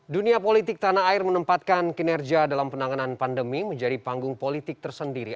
dunia politik tanah air menempatkan kinerja dalam penanganan pandemi menjadi panggung politik tersendiri